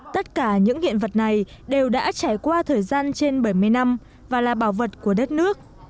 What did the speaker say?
tất cả những hiện vật này đều đã trải qua thời gian trên bảy mươi năm và là bảo vật của đất nước